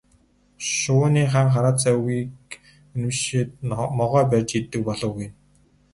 Шувууны хаан хараацайн үгийг үнэмшээд могой барьж иддэг болов гэнэ.